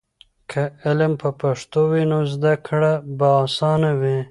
که علم په پښتو وي نو زده کړه به آسانه وي.